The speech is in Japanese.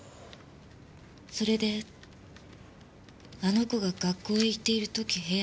それであの子が学校へ行っている時部屋を。